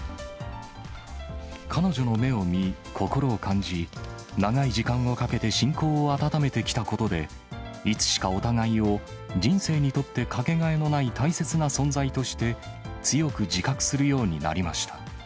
彼女の目を見、心を感じ、長い時間をかけて親交を温めてきたことで、いつしかお互いを人生にとって掛けがえのない大切な存在として、強く自覚するようになりました。